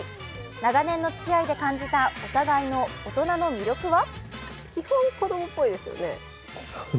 長年のつきあいで感じたお互いの大人の魅力は？